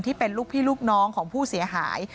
ที่เป็นลูกพี่ลูกน้องของผู้เสียหาย